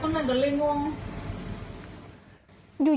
แต่คนกำลังกันเลยมุ่ง